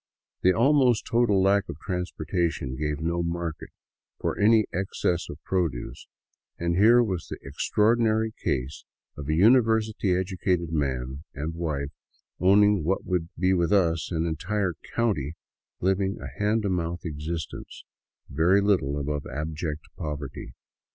The almost total lack of transportation gave no market for any excess of produce, and here was the extraordinary case of a university educated man and wife owning what would be with us an entire county, living a hand to mouth existence very little above abject poverty.